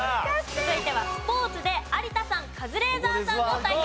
続いてはスポーツで有田さんカズレーザーさんの対決です。